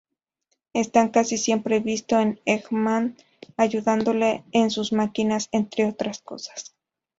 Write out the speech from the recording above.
Están casi siempre visto con Eggman, ayudándole en sus máquinas, entre otras cosas.